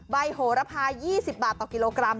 โหระพา๒๐บาทต่อกิโลกรัม